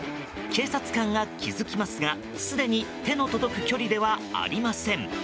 警察官が気付きますが、すでに手の届く距離ではありません。